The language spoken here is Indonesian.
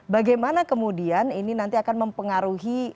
bagaimana kemudian ini nanti akan mempengaruhi